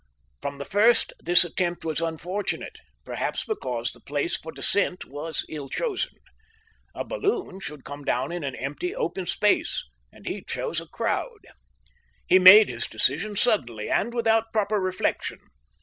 From the first this attempt was unfortunate, perhaps because the place for descent was ill chosen. A balloon should come down in an empty open space, and he chose a crowd. He made his decision suddenly, and without proper reflection.